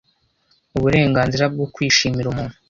uburenganzira bwo kwishimira umuntu